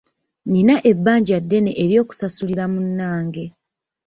Nina ebbanja ddene oly'okusasulira munnange.